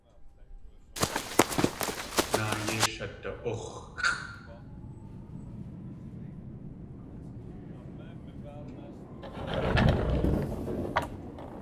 Náa yéi shada.úx̲xʼ.